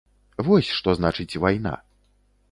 Вось што значыць вайна.